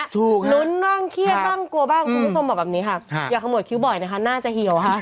นุ้นนั่งเกลียดบ้างกลัวบ้างสมบัติแบบนี้ค่ะอย่าขโมยคิ้วบ่อยนะคะหน้าจะเหี่ยวค่ะ